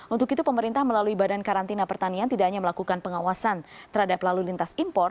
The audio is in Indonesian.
untuk itu pemerintah melalui badan karantina pertanian tidak hanya melakukan pengawasan terhadap lalu lintas impor